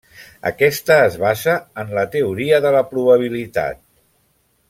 Aquesta es basa en la teoria de la probabilitat.